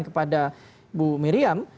kepada bu miriam